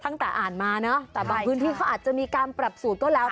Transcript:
ตั้งแต่อ่านมาเนอะแต่บางพื้นที่เขาอาจจะมีการปรับสูตรก็แล้ว